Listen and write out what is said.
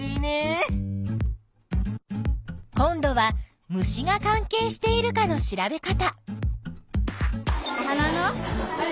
今度は虫が関係しているかの調べ方。